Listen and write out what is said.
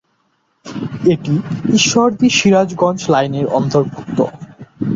এটি ঈশ্বরদী-সিরাজগঞ্জ লাইনের অন্তর্ভুক্ত।